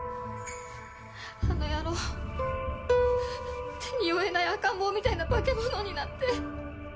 あの野郎手に負えない赤ん坊みたいな化け物になって。